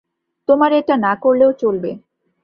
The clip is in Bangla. তোমার এটা না করলেও চলবে।